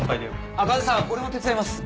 茜さん俺も手伝います！